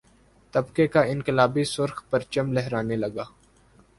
طبقے کا انقلابی سرخ پرچم لہرانے لگا